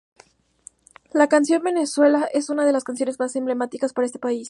La canción Venezuela es una de las canciones más emblemáticas para ese país.